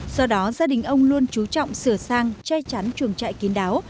do đó gia đình ông luôn trú trọng sửa sang che chắn chuồng trại kín đáo